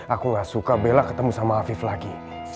aku enggak suka bella ketemu sama afif lagi